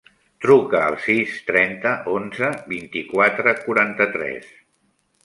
Truca al sis, trenta, onze, vint-i-quatre, quaranta-tres.